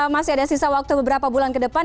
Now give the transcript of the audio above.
masih ada sisa waktu beberapa bulan ke depan